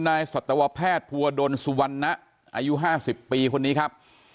นายสัตวแพทย์ภัวดนสุวรรณะอายุห้าสิบปีคนนี้ครับ